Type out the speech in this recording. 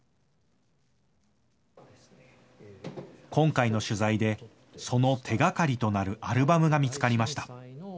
今回の取材で、その手がかりとなるアルバムが見つかりました。